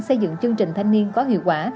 xây dựng chương trình thanh niên có hiệu quả